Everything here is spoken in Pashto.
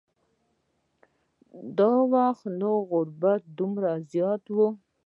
دا وخت نو غربت دومره زیات و.